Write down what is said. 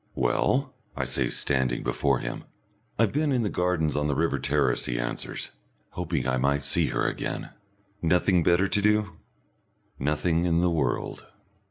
"Well?" I say, standing before him. "I've been in the gardens on the river terrace," he answers, "hoping I might see her again." "Nothing better to do?" "Nothing in the world."